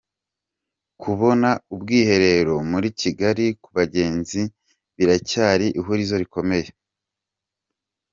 Kubona ubwiherero muri Kigali ku bagenzi biracyari ihurizo rikomeye